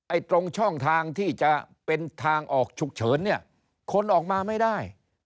ตรงช่องทางที่จะเป็นทางออกฉุกเฉินเนี่ยคนออกมาไม่ได้